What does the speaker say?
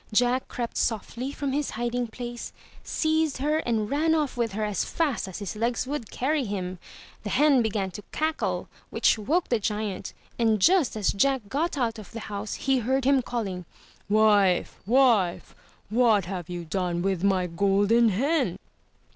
Jack crept softly from his hiding place, seized her and ran off with her as fast as his legs would carry him. The hen began to cackle which woke the giant, and just as Jack got out of the house he heard him calling: ''Wife, wife, what have you done with my golden hen?"